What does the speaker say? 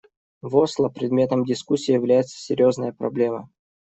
В Осло предметом дискуссии является серьезная проблема.